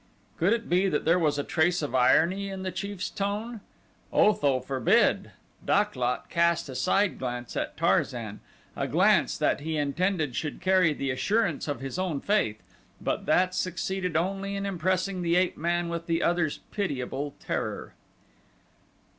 Could it be that there was a trace of irony in the chief's tone? Otho forbid! Dak lot cast a side glance at Tarzan a glance that he intended should carry the assurance of his own faith; but that succeeded only in impressing the ape man with the other's pitiable terror.